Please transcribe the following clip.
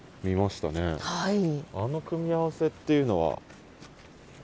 あの組み合わせっていうのは何か。